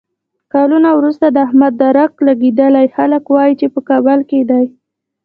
کلونه ورسته د احمد درک لګېدلی، خلک وایي چې په کابل کې دی.